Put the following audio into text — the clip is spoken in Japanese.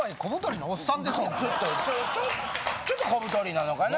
ちょっとちょっと小太りなのかな？